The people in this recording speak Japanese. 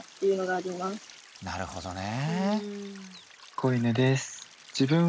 なるほどね。